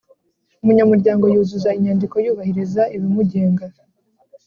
Umunyamuryango yuzuza inyandiko yubahiriza ibimugenga